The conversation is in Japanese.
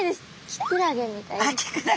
キクラゲみたいな。